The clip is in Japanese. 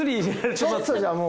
ちょっとじゃもう。